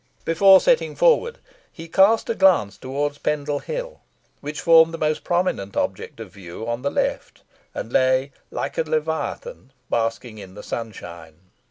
Before setting forward, he cast a glance towards Pendle Hill, which formed the most prominent object of view on the left, and lay like a leviathan basking in the sunshine.